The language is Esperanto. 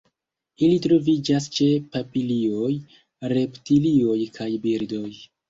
Ili troviĝas ĉe papilioj, reptilioj kaj birdoj.